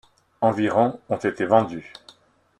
Environ ont été vendus.